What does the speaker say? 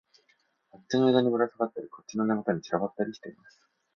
あっちの枝にぶらさがったり、こっちの根元に散らばったりしています